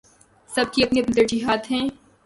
سب کی اپنی اپنی ترجیحات ہیں۔